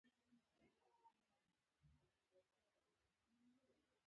دا هغه ارزښت دی چې کارګرانو کار پرې کړی